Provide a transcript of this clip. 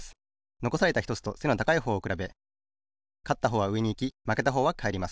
のこされたひとつと背の高いほうをくらべかったほうはうえにいきまけたほうはかえります。